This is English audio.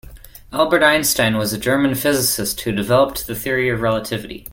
Albert Einstein was a German physicist who developed the Theory of Relativity.